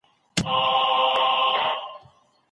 خلیفه د بنده ګانو ترمنځ سوله راولي.